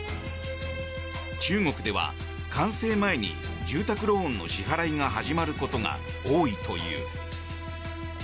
中国では完成前に住宅ローンの支払いが始まることが多いという。